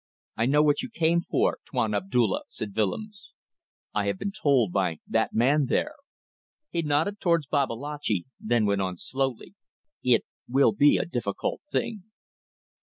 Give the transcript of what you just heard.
"I know what you came for, Tuan Abdulla," said Willems; "I have been told by that man there." He nodded towards Babalatchi, then went on slowly, "It will be a difficult thing."